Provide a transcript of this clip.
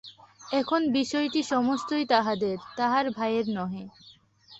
এখন বিষয়টি সমস্তই তাহাদের, তাহার ভাইয়ের নহে।